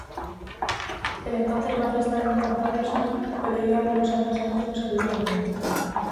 El entonces bajista Duncan Patterson lo leyó algunos años antes de escribir el álbum.